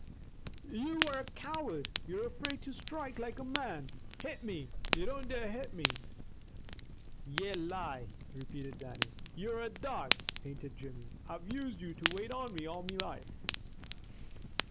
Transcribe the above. "You are a coward! You're afraid to strike like a man! Hit me! You don't dare hit me!" "Ye lie!" repeated Dannie. "You're a dog!" panted Jimmy. "I've used you to wait on me all me life!"